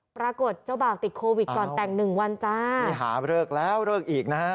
ปรากฏเจ้าบ่าวติดโควิดก่อนแต่งหนึ่งวันจ้านี่หาเลิกแล้วเลิกอีกนะฮะ